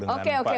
dengan pak jokowi